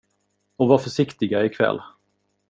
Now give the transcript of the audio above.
Och var försiktiga i kväll.